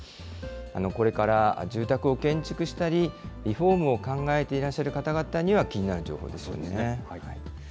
これから住宅を建築したり、リフォームを考えていらっしゃる方々には気になる情報ですよね。